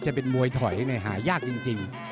จะเป็นมวยถอยหายากจริง